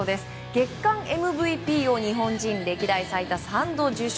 月間ＭＶＰを日本人歴代最多３度受賞。